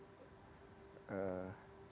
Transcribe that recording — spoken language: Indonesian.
siapa yang melakukan hal ini